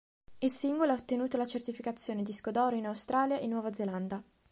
Il singolo ha ottenuto la certificazione disco d'oro in Australia e Nuova Zelanda.